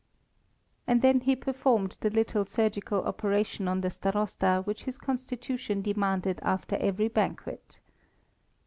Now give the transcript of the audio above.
And then he performed the little surgical operation on the Starosta which his constitution demanded after every banquet.